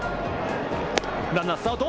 ランナースタート。